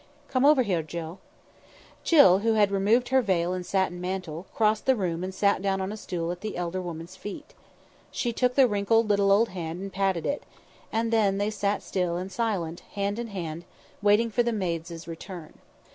"Come over here, Jill." Jill, who had removed her veil and satin mantle, crossed the room and sat down on a stool at the elder woman's feet. She took the wrinkled little old hand and patted it; then they sat still and silent, hand in hand, waiting for the maids' return.